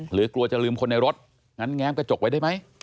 หรือกลัวจะลืมคนในรถงั้นแง้มกระจกไว้ได้ไหม